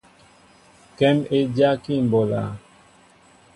Kém é dyákí mɓolā.